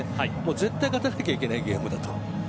絶対勝たなければいけないゲームだった。